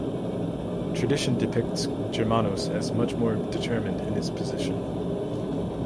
Tradition depicts Germanos as much more determined in his position.